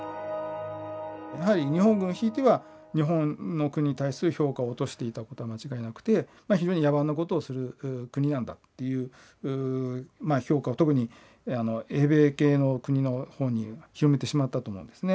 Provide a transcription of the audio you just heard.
やはり日本軍ひいては日本の国に対する評価を落としていたことは間違いなくて非常に野蛮なことをする国なんだっていう評価を特に英米系の国のほうに広めてしまったと思うんですね。